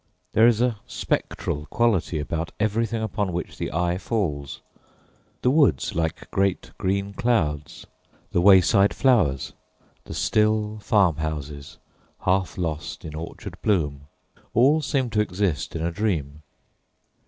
There is a spectral quality about everything upon which the eye falls: the woods, like great green clouds, the wayside flowers, the still farm houses half lost in orchard bloom all seem to exist in a dream.